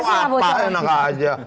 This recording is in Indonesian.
apa enak aja